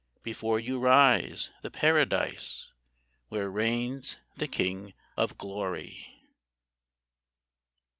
Before you rise the Paradise Where reigns the King of Glory